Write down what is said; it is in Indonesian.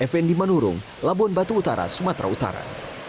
fn di manurung labuan batu utara sumatera utara